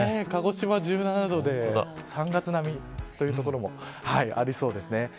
鹿児島１７度で３月並みという所もありそうです。